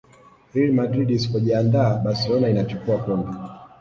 real madrid isipojiandaa barcelona inachukua kombe